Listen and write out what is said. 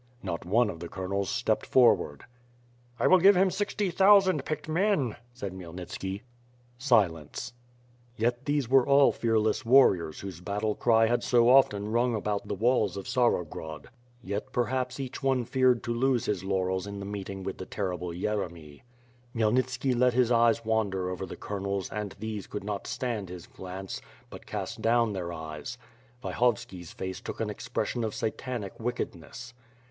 Not one of the Colonels stepped forward. "I will give him sixty thousand picked men," said Khmy elnitski. Silence. Yet these were all fearless warriors whose battle cry had so often rung about the walls of Tsarogrod. Yes, perhaps each one feared to lose his laurels in the meeting with the terrible Yeremy. Khmyelnitski let his eyes wander over the colonels and these could not stand his glance, but cast down their eyes. Vyhovski's face took on an expression of Satanic wickedness.